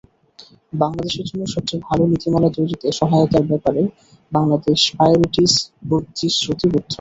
বাংলাদেশের জন্য সবচেয়ে ভালো নীতিমালা তৈরিতে সহায়তার ব্যাপারে বাংলাদেশ প্রায়োরিটিজ প্রতিশ্রুতিবদ্ধ।